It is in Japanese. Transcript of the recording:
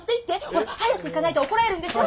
ほら早く行かないと怒られるんでしょ！